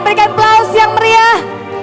berikan applause yang meriah